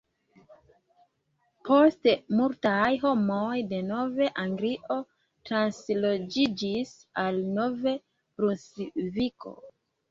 Poste, multaj homoj de Nov-Anglio transloĝiĝis al Nov-Brunsviko.